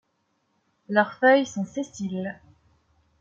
Leurs feuilles sont sessiles.